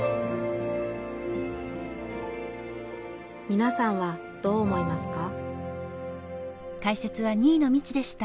みなさんはどう思いますか？